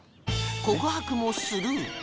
告白もスルー